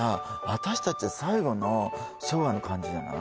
私達って最後の昭和の感じじゃない？